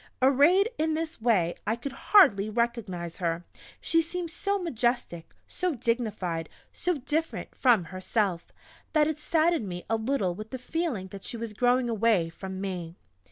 Arrayed in this way I could hardly recognize her; she seemed so majestic, so dignified so different from herself, that it saddened me a little with the feeling that she was growing away from me.